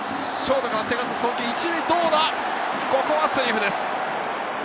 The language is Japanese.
１塁はセーフです。